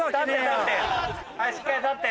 しっかり立って。